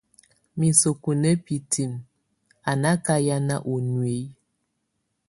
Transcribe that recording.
Miseku nábitiŋ anákahian ɔ nuiyik.